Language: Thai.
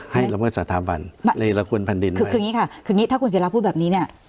ให้เราก็สถาบันคือคืออย่างงี้ค่ะคืออย่างงี้ถ้าคุณเสียลักษณ์พูดแบบนี้เนี่ย